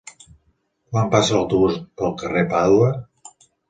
Quan passa l'autobús pel carrer Pàdua?